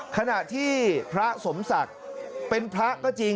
ขณะที่พระสมศักดิ์เป็นพระก็จริง